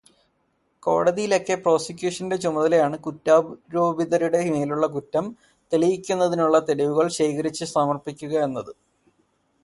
കോടതിയിലൊക്കെ പ്രോസിക്യൂഷന്റെ ചുമതലയാണ് കുറ്റാരോപിതരുടെ മേലുള്ള കുറ്റം തെളിയിക്കുന്നതിനുള്ള തെളിവുകൾ ശേഖരിച്ചു സമർപ്പിക്കുകയെന്നത്.